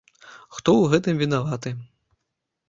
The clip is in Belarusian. Хто ў гэтым вінаваты?